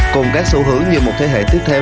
cùng các xu hướng như một thế hệ tiếp theo